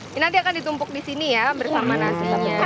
ini nanti akan ditumpuk disini ya bersama nasinya